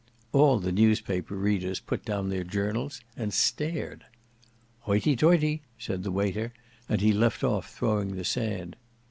All the newspaper readers put down their journals and stared. "Hoity toity," said the waiter, and he left off throwing the sand.